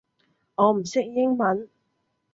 我唔識英文